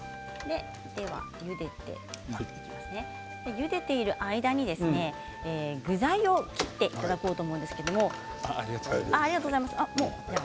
ゆでている間にですね具材を切っていただこうと思うんですけれども。